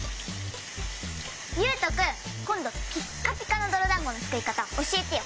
ゆうとくんこんどピッカピカのどろだんごのつくりかたおしえてよ。